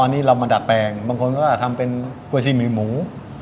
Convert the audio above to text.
ตอนนี้เรามาดัดแปลงบางคนก็ทำเป็นกล้วยซีหมี่หมู